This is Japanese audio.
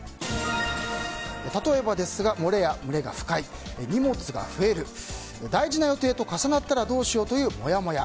例えば、漏れや蒸れが不快荷物が増える大事な予定と重なったらどうしようというモヤモヤ。